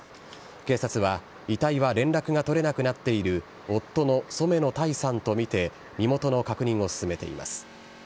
警察は遺体は連絡が取れなくなっている夫の染野耐さんと見て、身元の確認を進めています。